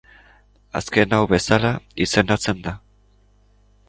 Azken hau bezala izendatzen da.